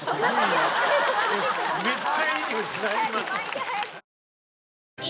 めっちゃいいにおいしない？